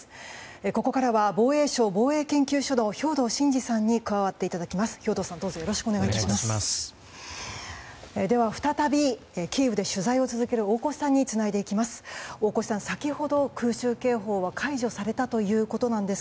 ここからは防衛省防衛研究所の兵頭慎治さんに加わっていただきます。